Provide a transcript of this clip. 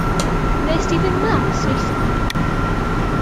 Wnest ti fynd mas neithiwr?